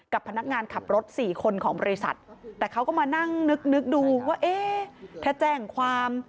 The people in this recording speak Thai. พนักงานขับรถสี่คนของบริษัทแต่เขาก็มานั่งนึกดูว่าเอ๊ะถ้าแจ้งความ